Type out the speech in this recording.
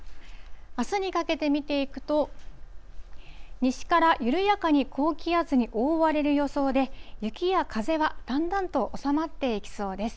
あすにかけてみていくと、西から緩やかに高気圧に覆われる予想で、雪や風はだんだんと収まっていきそうです。